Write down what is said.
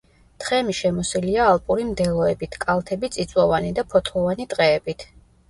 თხემი შემოსილია ალპური მდელოებით, კალთები წიწვოვანი და ფოთლოვანი ტყეებით.